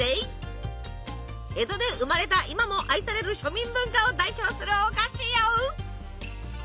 江戸で生まれた今も愛される庶民文化を代表するお菓子よ。